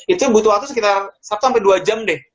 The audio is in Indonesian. itu butuh waktu sekitar satu sampai dua jam deh